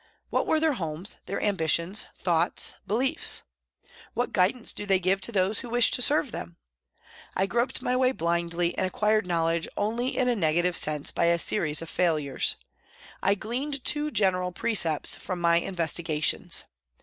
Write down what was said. What were their homes, their ambitions, thoughts, beliefs ? What guidance do they give to those who wish to serve them ? I groped my way blindly and acquired knowledge only in a negative sense by a series of failures. I gleaned two general precepts from my investigations.